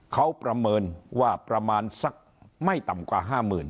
เขาประเมินว่าประมาณสักไม่ต่ำกว่า๕๐๐๐